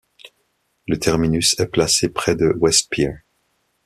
Le terminus est placé près de West Pier.